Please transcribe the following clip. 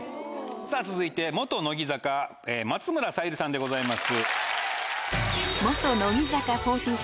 さぁ続いて乃木坂松村沙友理さんでございます。